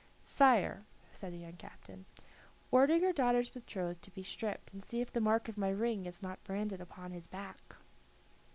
"Sire," said the young captain, "order your daughter's betrothed to be stripped, and see if the mark of my ring is not branded upon his back."